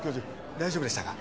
大丈夫でしたか？